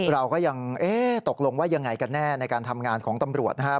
เราก็ยังเอ๊ะตกลงว่ายังไงกันแน่ในการทำงานของตำรวจนะครับ